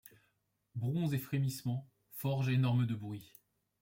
Bronze et frémissement, forge énorme de bruit